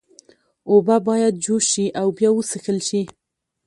اوبه باید جوش شي او بیا وڅښل شي۔